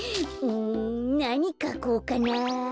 うんなにかこうかな。